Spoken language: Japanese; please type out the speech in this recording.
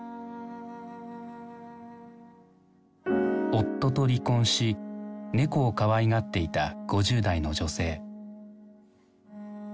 夫と離婚し猫をかわいがっていた５０代の女性。